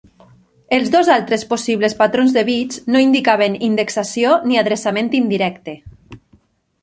Els dos altres possibles patrons de bits no indicaven indexació, ni adreçament indirecte.